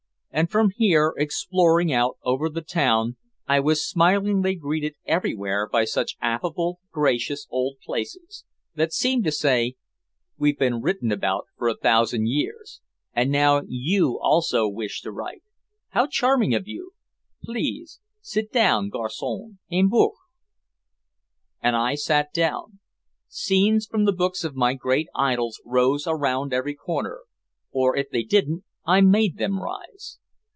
And from here exploring out over the town, I was smilingly greeted everywhere by such affable gracious old places, that seemed to say: "We've been written about for a thousand years, and now you also wish to write. How charming of you. Please sit down. Garçon, un bock." And I sat down. Scenes from the books of my great idols rose around every corner, or if they didn't I made them rise.